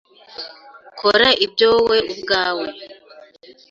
Kora ibyo wowe ubwawe.